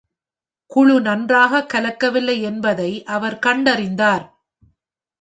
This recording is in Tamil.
குழு நன்றாக கலக்கவில்லை என்பதை அவர் கண்டறிந்தார்.